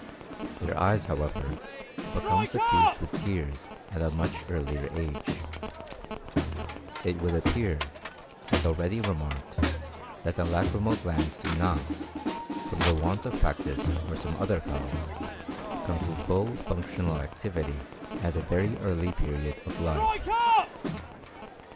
Their eyes, however, become suffused with tears at a much earlier age. It would appear, as already remarked, that the lacrymal glands do not, from the want of practice or some other cause, come to full functional activity at a very early period of life.